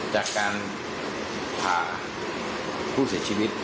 จากการผ่าผู้เสียชีวิต